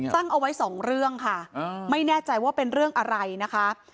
ตั้งเอาไว้สองเรื่องค่ะไม่แน่ใจว่าเป็นเรื่องอะไรนะคะ